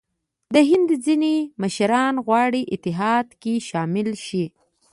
د هند ځیني مشران غواړي اتحاد کې شامل شي.